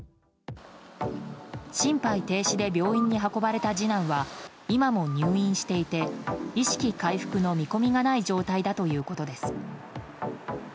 心肺停止で病院に運ばれた次男は今も入院していて意識回復の見込みがない状態だということです。